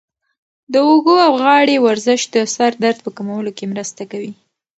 د اوږو او غاړې ورزش د سر درد په کمولو کې مرسته کوي.